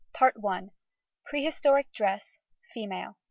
CHAPTER I PREHISTORIC DRESS. FEMALE.